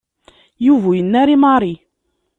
Yuba ur yenni ara i Mary.